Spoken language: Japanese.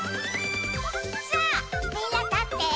さぁみんな立って。